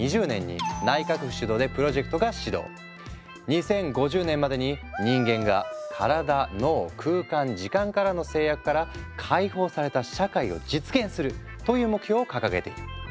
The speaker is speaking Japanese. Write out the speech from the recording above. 日本でも２０２０年に２０５０年までに人間が身体脳空間時間からの制約から解放された社会を実現するという目標を掲げている。